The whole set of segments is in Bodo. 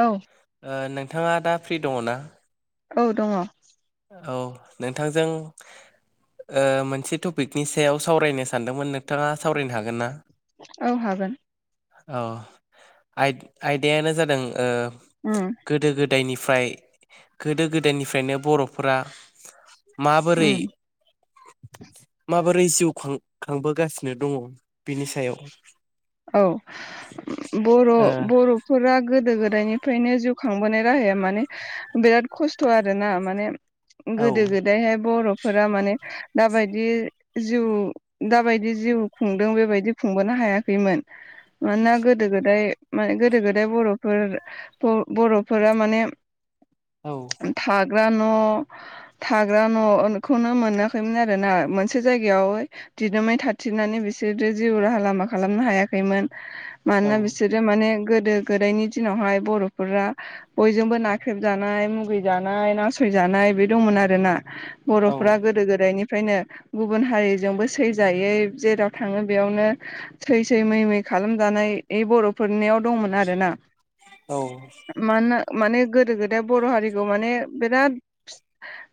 औ ओ नोंथाङा दा फ्रि दङ ना औ दङ औ नोंथांजों मोनसे टपिकनि सायाव सावरायनो सानदोंमोन नोंथाङा सावरायनो हागोन ना औ हागोन औ आयदायानो जादों उम गोदो गोद गोदायनिफ्राय गोदो गोदायनिफ्रायनो बर'फोरा माबोरै उम म माबोरै जिउ खां खांबोगासिनो दङ बिनि सायाव औ बर' बर'फोरा गोदो गोदाय उदायनिफ्रायनो जिउ खांबोनाय राहाया माने बिराद खस्थ' आरो ना माने ओ गोदो गोदायहाय बर'फोरा माने दाबायदि जिउ दाबायदि जिउ खुंदों बेबायदि खुंबोनो हायाखै मानोना गोदो गोदाय मान गोदो गोदाय बर'फोर बर'फोर माने औ थाग्रा न' थाग्रा न'खौनो मोनाखैमोन आरो ना मोनसे जायगायाव दिदोमै थाथिरनानै बिसोरो जिउ राहा लामाखौ खालामनो हायाखैमोन औ मानोना बिसोरो माने गोदो गोदायनि दिनावहाय बर'फोरा बयजोंबो नाख्रेबजानाय मुगैजानाय नासय जानाय बे दंमोन आरो ना औ बर'फोरा गोदो गोदाय ओ्रायनो गुबुन हारिजोंबो सैजायै जेराव थाङो बेयावनो थै सै मै मै खालामजानाय बे बर'फोरनियाव दंमोन आरोना औ मानोना माने गोदो गोदाय बर' हारिखौ माने बिराद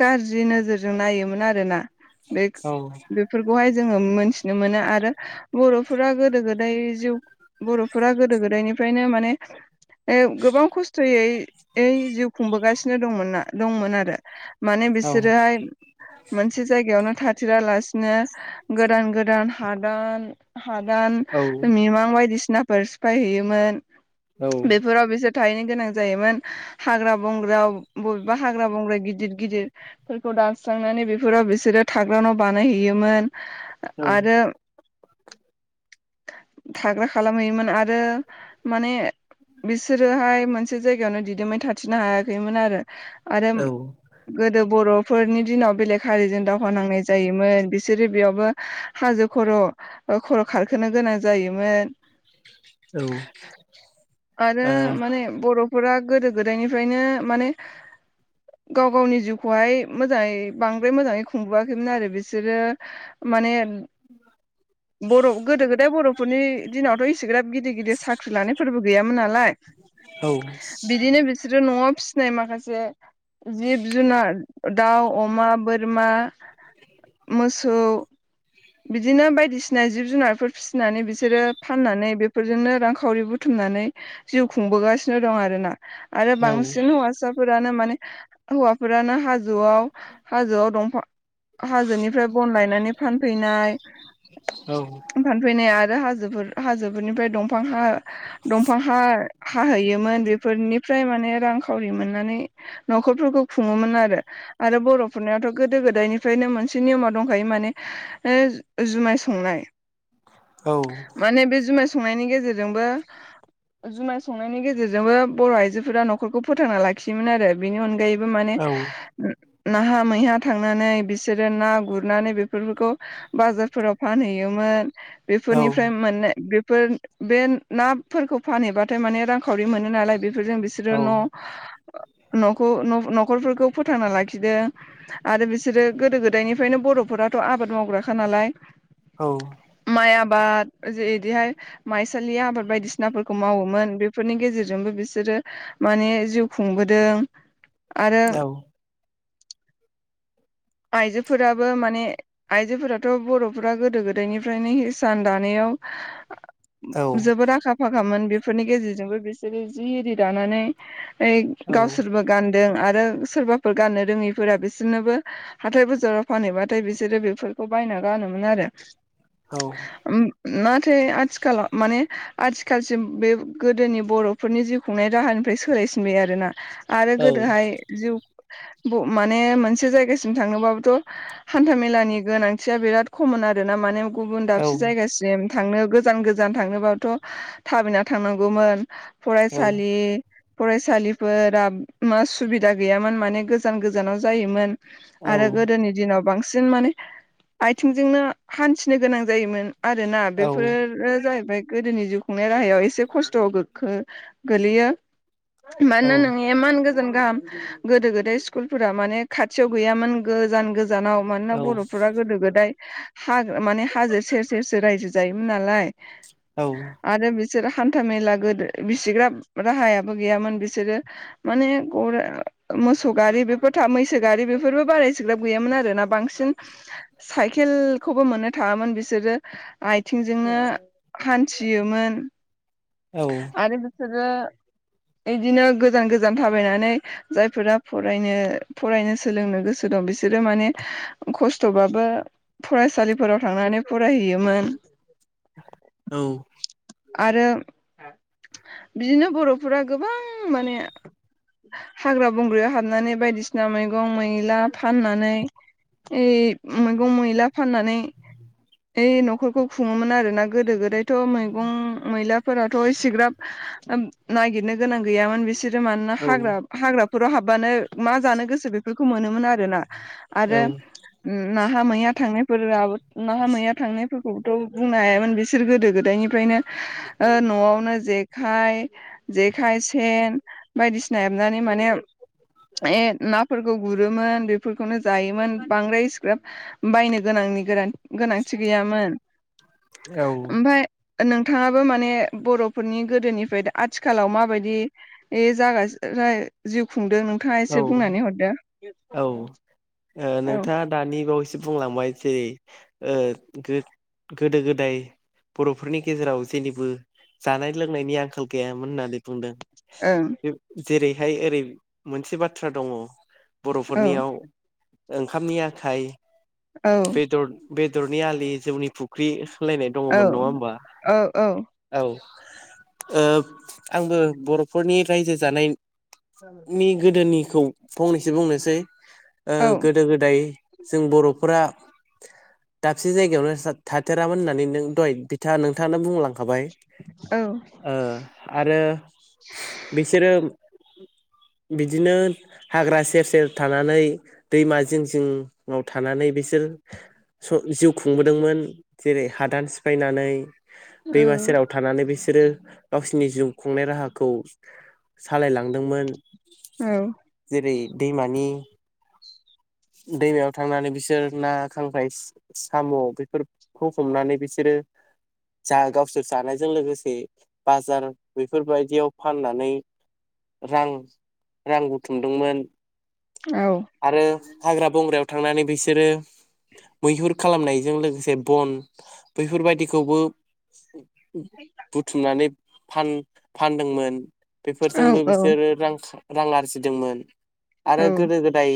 गाज्रि नोजोरजों नायोमोन आरोना औ बेफोरखौहाय जोङो मोनथिनो मोनो आरो बर' फोरा गोदो गोदाय जिउ बर'फोरा गोदो गोदायनिफ्रायनो माने गोबां खस्थ'यै जिउ खुंबोगासिनो दंमोनना दंमोन आरो माने औ बिसोरोहाय मोनसे जायगायावनो थ बथिरालासिनो गोदान गोदान हादान हादान मिमां बायदिसिनाफोर सिफायहैयोमोन औ बेफोराव बिसोर थैनो गोनां जायोमोन हाग्रा बंग्रायाव बबेबा हाग्रा बंग्रा गिदिर गिदिरफोरखौ दानस्रांनानै बेफोराव बिसोरो थाग्राान' बानायहैयोमोन आरो थाग्रा खालामहैयोमोन आरो माने बिसोरोहाय मोनसे जायगायावनो दिदोमै थाथिनो हायाखैमोन आरो आरो औ ओ औ गोदो बर फोरनि दिनाव बेलेग हारिजों दावहा नांनाय जायोमोन बिसोरो बेयावबो हाजो खर खर खारखोनो गोनां जायोमोन औ आरो माने बरफोरा गोदो गोदायनिफ्रायनो माने गाव गावनि जिउखौहाय मोजाङै बांद्राय मोजाङै खुंबोआखैमोन आरो बिसोरो माने बर गोदो गोदाय बरफोरनि दिनावथ इसेग्राब गिदिर गिदिर साख्रि लानायफोरबो गैयामोन नालाय बिदिनो बिसोरो नआव फिसिनाय माखासे जिब जुनार दाउ अमा बोर रमा मोसौ बिदिनो बायदिसिना जिब जुनारफोर फिसिनानै बिसोरो फाननानै बेफोरजोंनो रांखावरि बुथ बथुमनानै जिउ खुंबोगासिनो दं आरोना आरो बांसिन हौवासाफोरानो मान ने हौवाफोरानो हाजोआव हाजोआव दंफां हाजोनिफ्राय बन लायनानै फानफैनाय औ औ फानफैनाय आरो हाजो होजोफोरनिफ्राय दंफां हा दंफां हा-हाहैयोमोन बेफोरनि फ्राय माने रांखावरि मोननानै नखरफोरखौ खुङोमोन आरो आरो बर फोरनियाथ गोदो गोदायनिफ्रायनो मोनसे नियमा दंखायो माने जुमाय संनाय औ माने बे जुमाय संनायनि गेजेरजोंबो जुमाय संनायनि गेजेरजोंबो बर आइजोफोरा नखरखौ फोथांना लाखियोमोन आरो बेनि अनगायै बो माने औ नाहा मैहा थांनानै बिसोरो ना गुरनानै बेफोरखौ बाजारफोराव फानहैयोमोन बेफोरनिफ्राय मोननाय बेफोर बे नाफोरखौ फानहैबाथाय माने रांखावरि मोनो नालाय बेफोरजों बिसोरो न नखौ नखरफोरखौ फोथांना लाखिदों आरो बिसोरो गोदो गोदायनिफ्रायनो बरफोर आथ आबाद मावग्राखा नालाय औ बा इदिहाय माइसालि आबाद बायदिसिनाफोरखौ मावोमोन बेफोरनि गेजेरजोंबो बिसोरो माने जिउ खुंबोदों आरो आइजोफोराबो माने आइजोफोराथ बरफोरा गोदो गोदायनिफ्रायनो हिसान दानायाव जोबोद आखा फाखामोन बेफोरनि गेजेरजोंबो बिसोरो जि इरि दानानै ओइ गावसोरबो गान दों आरो सोरबाफोर गाननो रोङैफोरा बिसोरनोबो हाथाय बाजाराव फानहैबाथाय बिसोरो बेफोर बेखौ बायना गानोमोन आरो औ नाथाय आथिखालाव माने आथिखालसिम बे गोदोनि बरफोरनि जिउ खुंनाय राहानिफ्राय सोलायसिनबाय आरोना आरो गोदोहाय जिउ माने मोनसे जायगासिम थांनोबाबोथ हान्थामेलानि गोनांथिया बिराद खम मोन आरोना माने गुबुन दाबसे जायगासिम थांनो गोजान गोजान थांनोबाथ थाबायना थांनांगौमोन फरायसालि फरायसालिफोरा मा सुबिदा गैयामोन माने गोजान गोजानाव जायोमोन आरो गोदोनि दिनाव बांसिन माने आथिंजोंनो हान्थिनो गोनां जायोमोन आरोना बेफोरो जाहैबाय गोदोनि जिउ खुंनाय राहायाव एसे खस्थ गोखों गोलैयो [unintelligible] [unintelligible] गोदो गोदाय स्कुलफोरा माने खाथियाव गैयामोन गोजान गोज गोजानाव मानोना बर'फोरा गोदो गोदाय हाग माने हाजो सेर सेरसेर रायजो जायोमोन नालाय औ आरो बिसोर हान्था मेला गोदो बिसिग्रा राहायाबो गैयामोन बिसोरो माने गरा मोसौ गारि बेफोर थाब मैसो गारि बेफोरबो बाराय सिग्राब गैयामोन आरोना बांसिन साय केलखौबो मोननो थाङामोन बिसोरो आथिंजोंनो हान्थियोमोन आरो बिसोरो [inaudible] इदिनो गोजान गोजान थाबायनानै जायफोरा फरायनो फरायनो सोलोंनो गोसो दं बि बिसोरो माने खस्थ'बाबो फरायसालिफोराव थांनानै फरायहैयोमोन औ आरो बिदिनो बर'फोरा गोबां माने हाग्रा बंग्रायाव हाबनानै बायदिसिना मैगं मैला फाननानै ए मैगं मैला फाननानै ओइ न'खरखौ खुङोमोन आरो ना गोदो गोदायथ' मै मैलाफोराथ' एसेग्राब ननायागिरनो गोनां गैयामोन बिसोर मानोना हाग्रा हाग्राफोराव हाबबानो मा जानो गोसो बेफोरखौ मोनोमोन आरोना आरो नाहा मैया थांनायफोर नाहा मैया थांनाय फोरखौबोथ' बुंनो हायामोन बिसोर गोदो गोदायनि फ्रायनो न'आवनो जेखाय जेखाय सेन बायदिसिना माने। ए नाफोरखौ गुरोमोन बेफोरखौनो जायोमोन बांद्राय एसेग्राब बायनो गोनां आंनि गोनांथि गैयामोन। औ। ओमफाय नोंथाङाबो माने बर'फोरनि गोदोनिफ्राय आथिखालाव माबायदि जागा जिउ खुंदों नोंथां एसे बुंनानै हरदो औ। नोंथाङा दानि बावैसो बुंलांबाय जेरै ओ गोदो गोदाय बर'फोरनि गेजेराव जेनिबो जानाय लोंनायनि आंखाल गैयामोन होननानै बुंदों। ओं। जेरैहाय ओरै मोनसे बाथ्रा दङ बर'फोरनियाव औ ओंखामनि आखाइ औ बेदर बेदरनि आलि जौनि फुख्रि होनलायनाय दङमोन नङा होमबा औ औ औ। ओ आंबो बर'फोरनि रायजो जानाय नि गोदोनिखौ फंनैसो बुंनोसै ओ औ गोदो गोदाय जों बर'फोरा दाबसे जायगायावनो थाथेरामोन होननानै नों दहाय बिथाङा नोंथाङा बुंलां खाबाय औ ओ आरो बिसोरो बिदिनो हाग्रा सेर सेर थानानै दैमा जिं जिंआव थानानै बिसोर जिउ खुंबोदोंमोन जेरै हादान सिफायनानै दैमा सेराव थानानै बिसोरो गावसिनि जिउ खुंनाय राहाखौ सालायलांदोंमोन। औ। जेरै दैमानि दैमायाव थांनानै बिसोर ना खांख्राय साम' बेफोरखौ हमनानै बिसोर [inaudible] [unintelligible] जा गावसोर जानायजों लोगोसे बाजार बेफोरबायदियाव फाननानै रां रां बुथुमदोंमोन आरो। हाग्रा बंग्रायाव थांनानै बिसोरो मैहुर खालामनायजों लोगोसे बन बैफोर बायदिखौबो बुथुमनानै फानदोंमोन। बेफोरजोंबो बिसोरो रां रां आरजिदोंमोन आरो गोदो गोदाय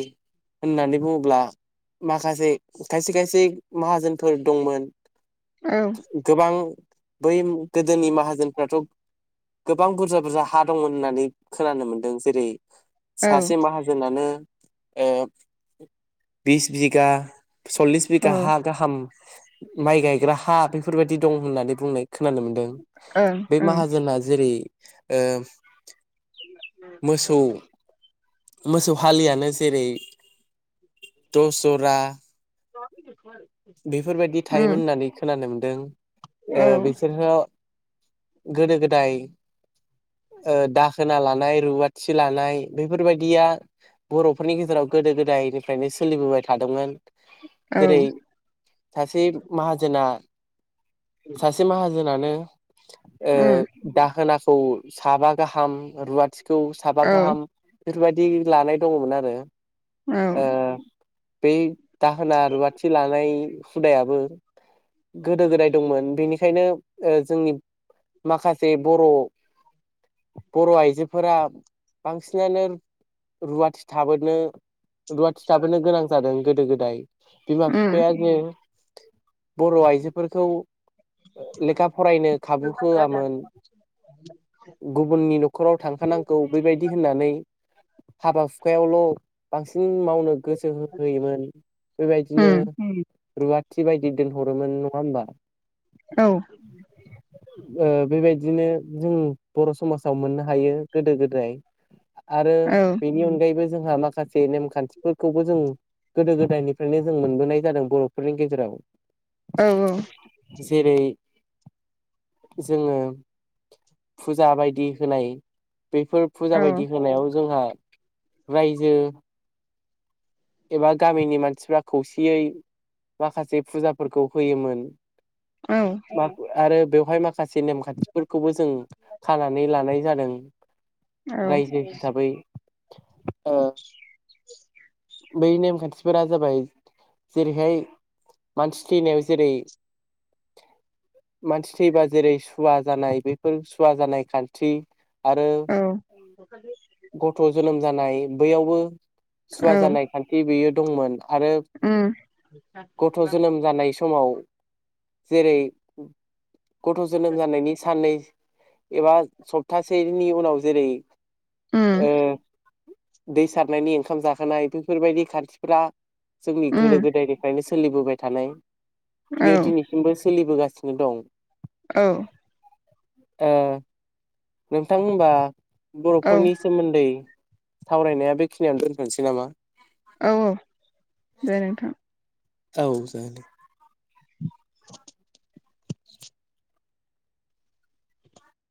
होननानै बुङोब्ला माखासे खायसे खायसे माहाजोनफोर दंमोन । गोबां बै गोदोनि माहाजोनफ्राथ' गोबां बुरजा बुरजा हा दंमोन होननानै खोनानो मोन्दों जेरै सासे माहाजोनानो बिस बिगा सल्लिस बिगा हा गाहाम माइ गायग्रा हा बेफोर बायदि दं होननानै बुंनाय । खोनानो मोनदों बे माहाजोनआ जेरै मोसौ मोसौ हालियानो जेरै दस जरा। बेफोर बायदि थायोमोन होननानै खोनानो मोनदों। ए बिसोरो गोदो गोदाय दाहोना लानाय। रुवाथि लानाय बेफोर बायदिया बर'फोरनि गेजेराव गोदो गोदाय गोदायनिफ्रायनो सोलिबोबाय थादोंमोन। जेरै सासे माहाजोना सासे माहाजोनानो दाहोना खौ साबा गाहाम रुवाथिखौ साबा गाहाम बेफोरबायदि लानाय दङमोन आरो। ओ औ बे दाहोना रुवाथि लानाय हुदायाबो गोदो गोदाय दंमोन बेनिखायनो जोंनि माखासे बर' बर' आइजोफोरा बांसिनानो रुवाथि थाबोनो रुवाथि थाबोनो गोनां जादों गोदो गोदाय बिमा बिफाया जे बर' आइजोफोरखौ लेखा फरायनो खाबु होआमोन गुबुननि न'खराव थांखानांगौ बेबायदि होननानै हाबा हुखायावल' बांसिन मावनो गोसो होयोमोन बेबायदिनो रुवाथि बायदि दोनहरोमोन नङा होमबा औ बेबायदिनो जों बर' समाजाव मोननो हायो गोदो गोदाय आरो बेनि अनगायैबो जोंहा माखासे नेमखान्थिफोरखौबो जों गोदो गोदायनिफ्रायनो जों मोनबोनाय जादों बर'फोरनि गेजेराव औ औ जेरै जोङो फुजा बायदि होनाय बेफोर फुजा बायदि होनायाव जोंहा रायजो एबा गामिनि मानसिफ्रा खौसेयै माखासे फुजाफोरखौ होयोमोन आरो बेवहाय माखासे नेमखान्थिफोरखौबो जों खानानै लानाय जादों रायजो हिसाबै ओ बै नेमखान्थिफोरा जाबाय जेरैहाय मानसि थैनायाव जेरै मानसि थैबा जेरै सुवा जानाय बेफोर सुवा जानाय खान्थि आरो गथ' जोनोम जानाय बैयावबो सुवा जानाय खान्थि बेयो दंमोन आरो गथ' जोनोम जानाय समाव जेरै गथ' जोनोम जानायनि साननै एबा सप्तासेनि उनाव जेरै उम ओ दै सारनायनि ओंखाम जाहोनाय बेफोरबायदि खाथिफोरा जोंनि गोदो गोदायनिफ्रायनो सोलिबोबाय थानाय बियो दिनैसिमबो सोलिबोगा सिनो दं। औ। ओ नोंथां होनबा बर'फोरनि सोमोन्दै सावरायनाया बेखिनियावनो दोनथ'नोसै नामा? औ औ दे नोंथां। औ जागोन दे।